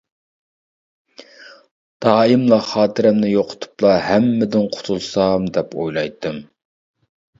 دائىملا خاتىرەمنى يوقىتىپلا ھەممىدىن قۇتۇلسام دەپ ئويلايتتىم.